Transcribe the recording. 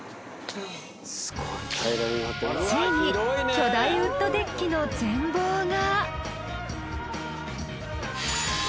ついに巨大ウッドデッキの全貌が！